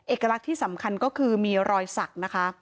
เอกลักษณ์ที่สำคัญก็คือมีรอยสักนะคะ